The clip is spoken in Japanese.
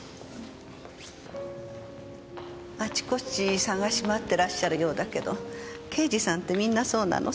あちこち捜し回ってらっしゃるようだけど刑事さんてみんなそうなの？